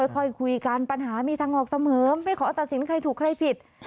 ค่อยคุยกันปัญหามีทางออกเสมอไม่ขอตัดสินใครถูกใครผิด